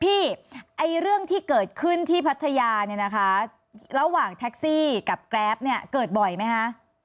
พี่เรื่องที่เกิดขึ้นที่พัทยาระหว่างแท็กซี่กับแก๊ปเกิดบ่อยไหมคะ